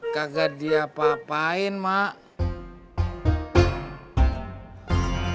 kagak diapain mak